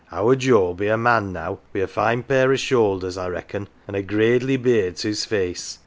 Our Joe'll be a man now, wi 1 a fine pair of shoulders I reckon, an" a gradely beard to's face.